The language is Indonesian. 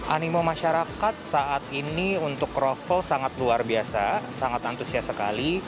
animo masyarakat saat ini untuk kroffel sangat luar biasa sangat antusias sekali